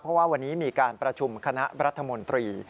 เพราะว่าวันนี้มีการประชุมคณะรัฐมนตรี